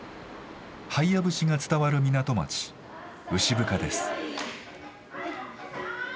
「ハイヤ節」が伝わる港町牛深です。